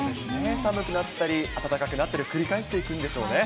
寒くなったり、暖かくなったりを繰り返していくんでしょうね。